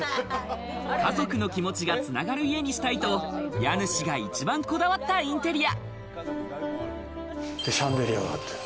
家族の気持ちがつながる家にしたいと家主が一番こだわったインテリア。